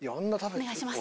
お願いします。